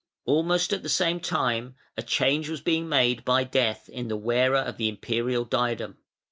Almost at the same time a change was being made by death in the wearer of the Imperial diadem.